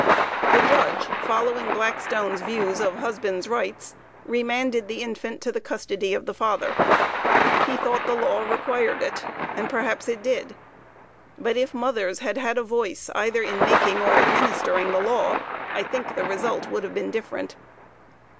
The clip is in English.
The Judge, following Blackstone's views of husband's rights, remanded the infant to the custody of the father. He thought the law required it, and perhaps it did; but if mothers had had a voice, either in making or in administering the law, I think the result would have been different.